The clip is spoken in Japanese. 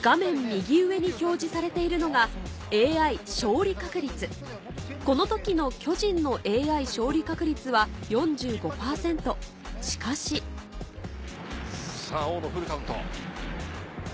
右上に表示されているのがＡＩ勝利確率この時の巨人のＡＩ勝利確率は４５％しかしさぁ大野フルカウント。